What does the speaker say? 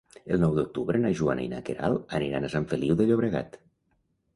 El nou d'octubre na Joana i na Queralt aniran a Sant Feliu de Llobregat.